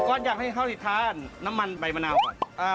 ก็อยากให้เขาสิทานน้ำมันใบมะนาวก่อน